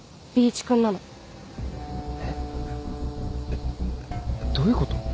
えっどういうこと？